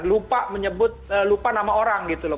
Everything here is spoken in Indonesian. lupa menyebut lupa nama orang gitu loh